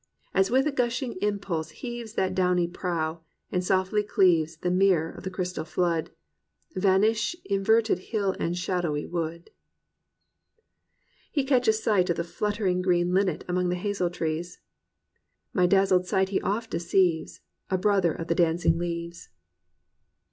— as with a gushing impulse heaves That downy prow, and softly cleaves The mirror of the crystal flood, Vanish inverted hill and shadowy wood/* He catches sight of the fluttering green linnet among the hazel trees: "My dazzled sight he oft deceives, A Brother of the dancing leaves."